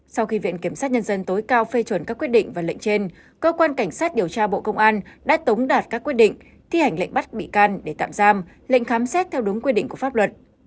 sau khi viện kiểm sát nhân dân tối cao phê chuẩn các quyết định và lệnh trên cơ quan cảnh sát điều tra bộ công an đã tống đạt các quyết định thi hành lệnh bắt bị can để tạm giam lệnh khám xét theo đúng quy định của pháp luật